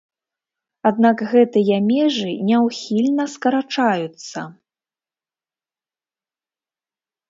Аднак гэтыя межы няўхільна скарачаюцца.